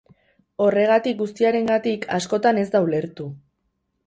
Horregatik guztiarengatik, askotan ez da ulertu.